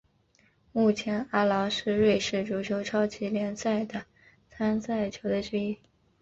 目前阿劳是瑞士足球超级联赛的参赛球队之一。